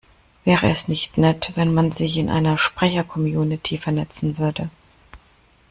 Wäre es nicht nett, wenn man sich in einer Sprechercommunity vernetzen würde?